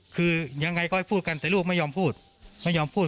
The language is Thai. คือยังไงก็ให้พูดกันแต่ลูกไม่ยอมพูดไม่ยอมพูด